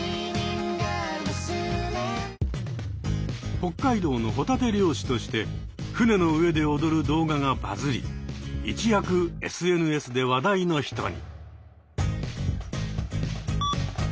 北海道のホタテ漁師として船の上で踊る動画がバズり一躍ＳＮＳで話題の人に。